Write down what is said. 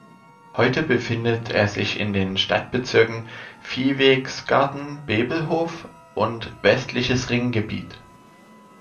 Heute befindet er sich in den Stadtbezirken Viewegsgarten-Bebelhof und Westliches Ringgebiet.